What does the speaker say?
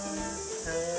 はい。